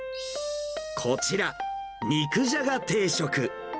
こちら、肉じゃが定食。